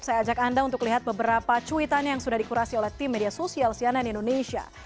saya ajak anda untuk lihat beberapa cuitan yang sudah dikurasi oleh tim media sosial cnn indonesia